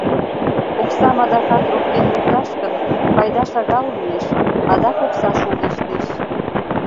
Оксам адакат «ропкен» лукташ гын, пайда шагал лиеш — адак окса шулдештеш.